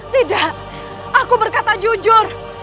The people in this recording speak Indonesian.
tidak aku berkata jujur